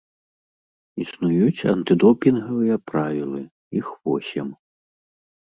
Існуюць антыдопінгавыя правілы, іх восем.